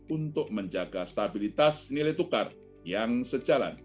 untuk menjaga stabilitas nilai tukar yang sejalan